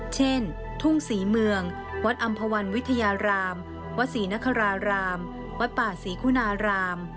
เช่นทุ่งศรีเมืองวัดอำภาวันวิทยารามวัดศรีนครารามวัดป่าศรีคุณาราม